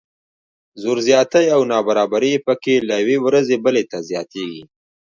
زور زیاتی او نابرابري پکې له یوې ورځې بلې ته زیاتیږي.